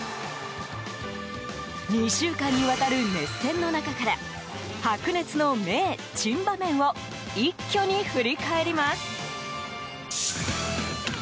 ２週間にわたる熱戦の中から白熱の名・珍場面を一挙に振り返ります！